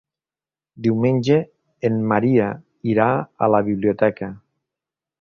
Diumenge en Maria irà a la biblioteca.